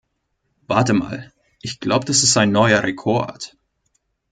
Warte mal, ich glaube, das ist ein neuer Rekord.